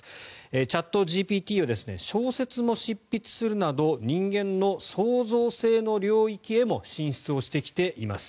チャットＧＰＴは小説も執筆するなど人間の創造性の領域へも進出してきています。